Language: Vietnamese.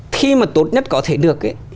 khi mà tốt nhất có thể được